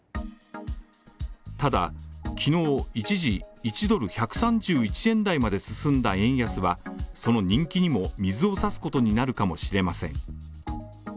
ただ昨日一時１ドル１３１円台まで進んだ円安は、その人気にも水を差すことになるかもしれません。